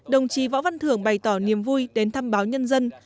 đồng chí võ văn thưởng bày tỏ niềm vui đến thăm báo nhân dân